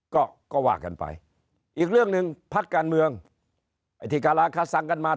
ก็ก็ว่ากันไปอีกเรื่องหนึ่งพักการเมืองไอ้ที่การาคาสังกันมา